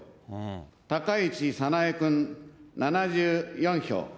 高市早苗君７４票。